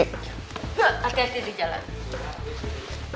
hati hati di jalan